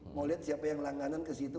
mau liat siapa yang langganan kesitu